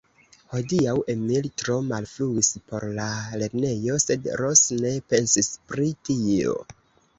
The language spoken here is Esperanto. Hodiaŭ Emil tro malfruis por la lernejo, sed Ros ne pensis pri tio.